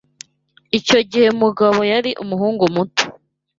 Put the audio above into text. Icyo gihe Mugabo yari umuhungu muto.